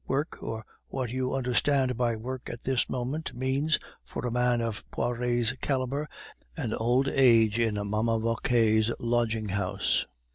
Work, or what you understand by work at this moment, means, for a man of Poiret's calibre, an old age in Mamma Vauquer's lodging house.